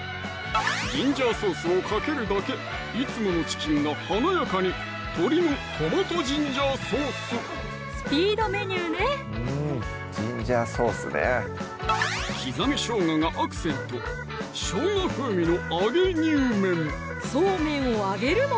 ジンジャーソースをかけるだけいつものチキンが華やかにスピードメニューね刻みしょうががアクセントそうめんを揚げるの？